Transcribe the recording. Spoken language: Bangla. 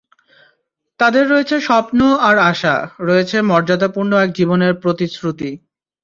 তাদের রয়েছে স্বপ্ন আর আশা, রয়েছে মর্যাদাপূর্ণ এক জীবনের প্রতিশ্রুতি।